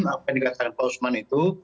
apa yang dikatakan pak usman itu